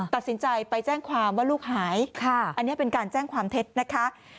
ตัดสินใจไปแจ้งความว่าลูกหายอันนี้เป็นการแจ้งความเท็จนะคะ